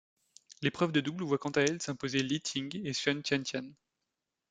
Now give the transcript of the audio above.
L'épreuve de double voit quant à elle s'imposer Li Ting et Sun Tiantian.